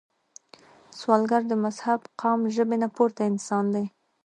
سوالګر د مذهب، قام، ژبې نه پورته انسان دی